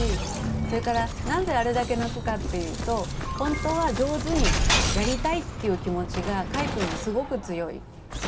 それからなんであれだけ泣くかっていうとほんとは上手にやりたいっていう気持ちがかいくんにすごく強い。